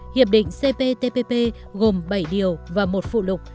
hiệp định cptpp gồm bảy điều và một phụ lục